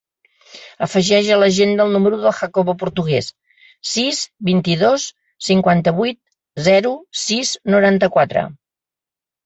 Afegeix a l'agenda el número del Jacobo Portugues: sis, vint-i-dos, cinquanta-vuit, zero, sis, noranta-quatre.